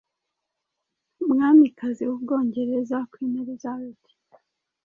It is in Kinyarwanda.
Umwamikazi w’u Bwongereza Queen Elizabeth